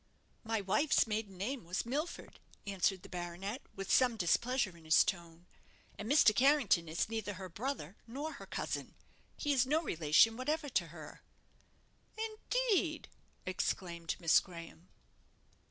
"My wife's maiden name was Milford," answered the baronet, with some displeasure in his tone. "And Mr. Carrington is neither her brother nor her cousin; he is no relation whatever to her." "Indeed!" exclaimed Miss Graham.